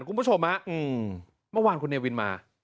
คุณผู้ชมฮะเมื่อวานคุณเนวินมา